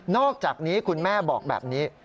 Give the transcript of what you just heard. อกจากนี้คุณแม่บอกแบบนี้